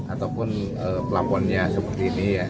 ataupun plafonnya seperti ini ya